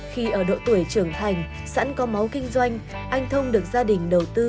khi ở độ tuổi trưởng thành sẵn có máu kinh doanh anh thông được gia đình đầu tư